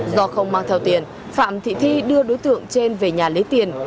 do không mang theo tiền phạm thị thi đưa đối tượng trên về nhà lấy tiền